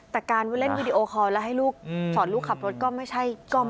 แต่การเล่นวีดีโอคอลแล้วให้ลูกสอนลูกขับรถก็ไม่ใช่